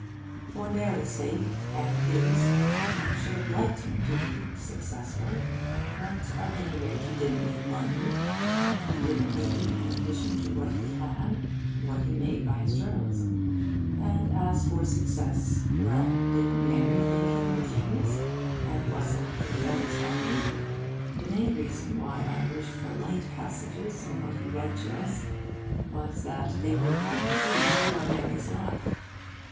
For Mary's sake, and his, I should have liked him to be 'successful.' But at any rate he didn't need money. He didn't need, in addition to what he had, what he made by his journalism. And as for success well, didn't Mary think him a genius? And wasn't he Mary's husband? The main reason why I wished for light passages in what he read to us was that they would have been cues for Mary's laugh.